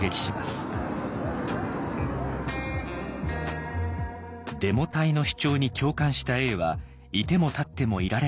デモ隊の主張に共感した永はいても立ってもいられなくなり。